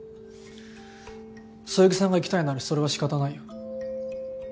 そよぎさんが行きたいならそれは仕方ないよ。